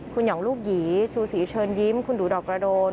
คุณหย่องลูกหยีชูศรีเชิญยิ้มคุณดูดอกกระโดน